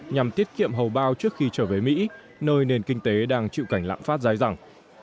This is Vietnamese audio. nhằm tiết kiệm hầu bao trước khi trở về mỹ nơi nền kinh tế đang chịu cảnh lạm phát giá dẳng